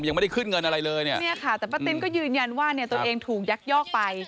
ยังไม่ได้ขึ้นเงินอะไรเลยเนี่ยค่ะแต่ป้าติ้นก็ยืนยันว่าเนี่ยตัวเองถูกยักยอกไป